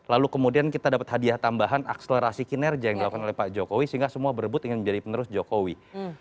lalu kemudian kita dapat hadiah tambahan akselerasi kinerja yang dilakukan oleh pak jokowi sehingga semua berebut ingin menjadi penerus jokowi